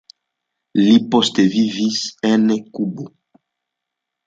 Li poste vivis en Kubo.